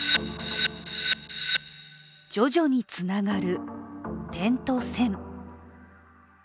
徐々につながる点と線。